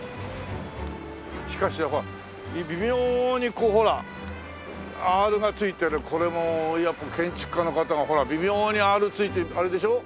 しかしほら微妙にこうほらアールがついてるこれもやっぱり建築家の方がほら微妙にアールついてあれでしょう？